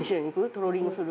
トローリングする？